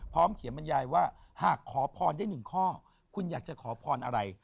เขียนบรรยายว่าหากขอพรได้หนึ่งข้อคุณอยากจะขอพรอะไร